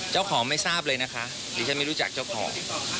เจ้าของไม่ทราบเลยนะคะดิฉันไม่รู้จักเจ้าของ